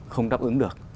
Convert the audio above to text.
không đáp ứng được